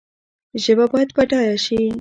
ژبه باید بډایه شي